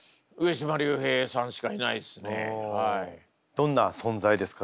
どんな存在ですか？